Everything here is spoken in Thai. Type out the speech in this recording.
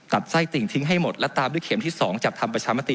ไส้ติ่งทิ้งให้หมดและตามด้วยเข็มที่๒จัดทำประชามติ